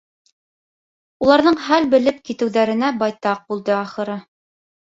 Уларҙың хәл белеп китеүҙәренә байтаҡ булды, ахырыһы...